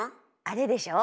あれでしょ。